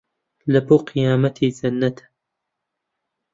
لە بۆ قیامەتێ جەننەت